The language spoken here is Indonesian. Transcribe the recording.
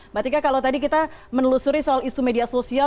mbak tika kalau tadi kita menelusuri soal isu media sosial